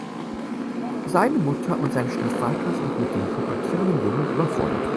Seine Mutter und sein Stiefvater sind mit dem pubertierenden Jungen überfordert.